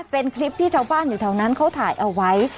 เป็นคลิปที่ชาวบ้านอยู่แถวนั้นเขาถ่ายเอาไว้